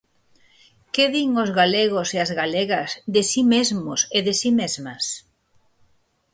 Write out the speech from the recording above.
Que din os galegos e as galegas de si mesmos e de si mesmas?